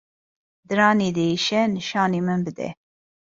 Diranê diêşe nîşanî min bide.